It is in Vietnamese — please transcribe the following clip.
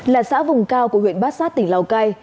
là xã vùng cao của huyện bát sát tỉnh lào cai